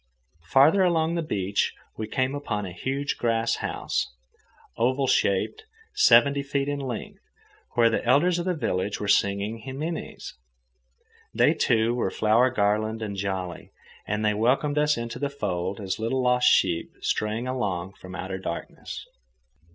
Farther along the beach we came upon a huge grass house, oval shaped seventy feet in length, where the elders of the village were singing himines. They, too, were flower garlanded and jolly, and they welcomed us into the fold as little lost sheep straying along from outer darkness.